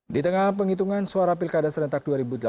di tengah penghitungan suara pilkada serentak dua ribu delapan belas